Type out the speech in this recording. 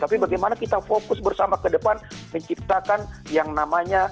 tapi bagaimana kita fokus bersama ke depan menciptakan yang namanya